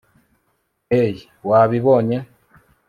hey, wabibonye